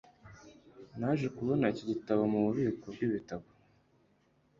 naje kubona iki gitabo mububiko bwibitabo